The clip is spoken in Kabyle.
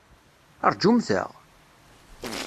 Rjumt-aɣ!